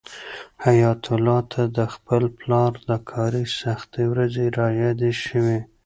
حیات الله ته د خپل پلار د کاري سختۍ ورځې رایادې شوې.